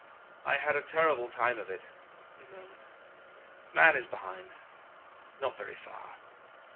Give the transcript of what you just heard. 'I had a terrible time of it,' he murmured. 'Mahon is behind not very far.